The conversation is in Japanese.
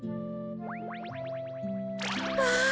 わあ。